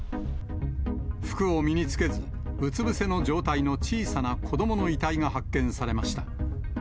服を身に着けず、うつ伏せの状態の小さな子どもの遺体が発見されました。